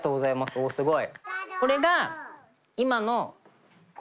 おすごい。